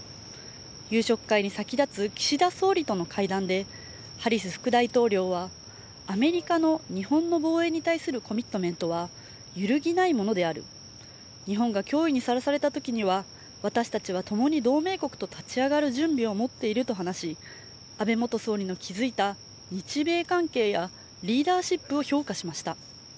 夕食会に先立つ岸田総理との会談で、ハリス副大統領はアメリカの日本の防衛に対するコミットメントは揺るぎないものである、日本が脅威にさらされたときには私たちはともに同盟国と立ち上がる準備を持っていると話し、安倍元総理の築いた日米関係やリーダーシップを評価しました。